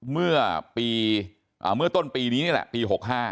เมื่อต้นปีนี้นี่แหละปี๖๕